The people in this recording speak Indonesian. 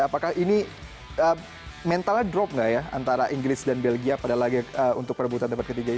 apakah ini mentalnya drop nggak ya antara inggris dan belgia pada laga untuk perebutan debat ketiga ini